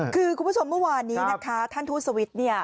คือคุณผู้ชมเมื่อวานนี้นะคะท่านทูตสวิทย์เนี่ย